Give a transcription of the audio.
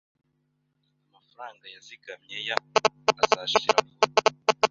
Amafaranga yazigamye ya azashira vuba.